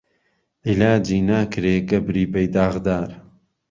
عیلاجی ناکرێ گهبری بهیداغدار